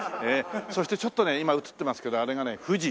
そしてちょっとね今映ってますけどあれがねふじ。